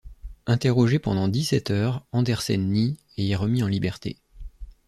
Interrogé pendant dix-sept heures, Andersen nie et est remis en liberté.